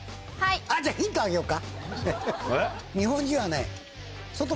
じゃあヒントあげようか。